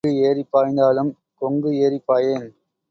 எங்கு ஏறிப் பாய்ந்தாலும் கொங்கு ஏறிப் பாயேன்.